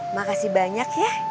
makasih banyak ya